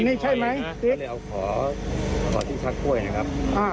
อันนี้ใช่ไหมขอที่ชักก้วยนะครับอ่า